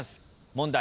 問題